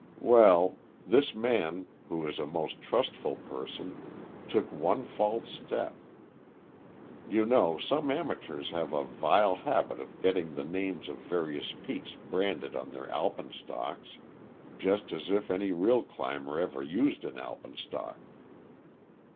Well, this man, who is a most truthful person, took one false step. You know, some amateurs have a vile habit of getting the names of various peaks branded on their alpenstocks just as if any real climber ever used an alpenstock."